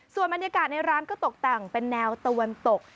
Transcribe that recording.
ส่วนบรรยากาศในร้านก็ตกแต่งเป็นแนวตะวันตก